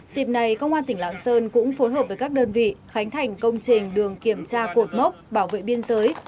dịp này công an tỉnh lạng sơn cũng phối hợp với các đơn vị khánh thành công trình đường kiểm tra cột mốc bảo vệ biên giới